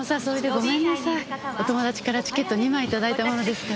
お友達からチケット２枚頂いたものですから。